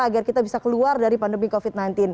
agar kita bisa keluar dari pandemi covid sembilan belas